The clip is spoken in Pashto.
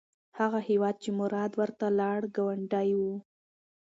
هغه هیواد چې مراد ورته لاړ، ګاونډی و.